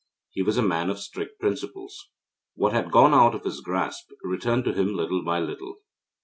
He was a man of strict principles. What had gone out of his grasp, returned to him little by little.